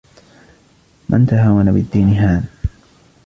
مَنْ تَهَاوَنَ بِالدِّينِ هَانَ